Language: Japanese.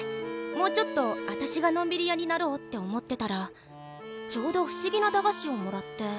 もうちょっと私がのんびり屋になろうって思ってたらちょうど不思議な駄菓子をもらって。